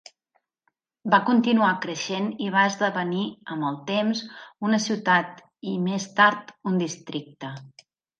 Va continuar creixent i va esdevenir amb el temps una ciutat i més tard un districte.